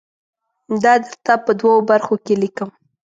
دا درته په دوو برخو کې لیکم.